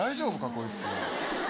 こいつ。